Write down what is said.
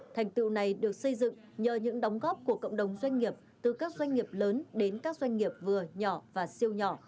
thành tựu này được xây dựng nhờ những đóng góp của cộng đồng doanh nghiệp từ các doanh nghiệp lớn đến các doanh nghiệp vừa nhỏ và siêu nhỏ